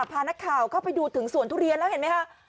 พานักข่าวเข้าไปดูถึงสวนทุเรียนแล้วเห็นไหมคะ